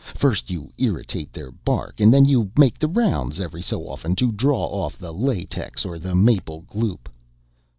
First you irritate their bark and then you make the rounds every so often to draw off the latex or the maple gloop."